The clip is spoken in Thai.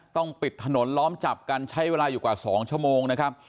ต้องปิดถนนล้อมจับกันใช้เวลาอยู่กว่า๒ชั่วโมงนะครับ